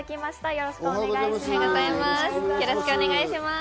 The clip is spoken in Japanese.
よろしくお願いします。